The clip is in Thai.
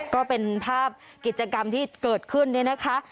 ก็เป็นภาพกิจกรรมที่เกิดขึ้นเนี่ยนะคะ